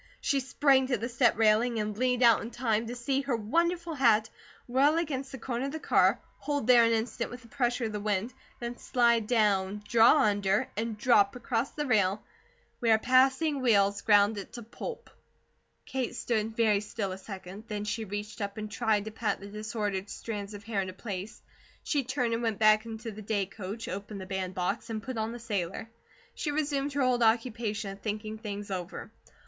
She sprang to the step railing and leaned out in time to see her wonderful hat whirl against the corner of the car, hold there an instant with the pressure of the wind, then slide down, draw under, and drop across the rail, where passing wheels ground it to pulp. Kate stood very still a second, then she reached up and tried to pat the disordered strands of hair into place. She turned and went back into the day coach, opened the bandbox, and put on the sailor. She resumed her old occupation of thinking things over.